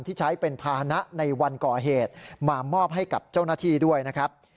ที่ใช้เป็นภาษณะในวันก่อเหตุมามอบให้กับเจ้าหน้าที่ด้วยนะครับ